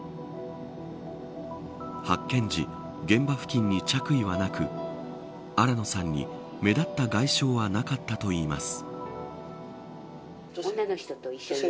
発見時、現場付近に着衣はなく新野さんに目立った外傷はなかったといいます。